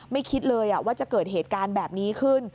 คิดเลยว่าจะเกิดเหตุการณ์แบบนี้ขึ้น